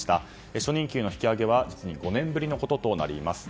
初任給の引き上げは実に５年ぶりのこととなります。